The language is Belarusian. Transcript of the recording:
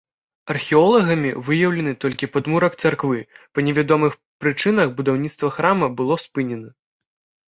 Археолагамі выяўлены толькі падмурак царквы, па невядомых прычынах будаўніцтва храма было спынена.